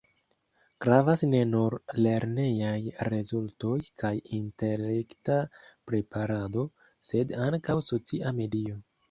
Gravas ne nur lernejaj rezultoj kaj intelekta preparado, sed ankaŭ socia medio.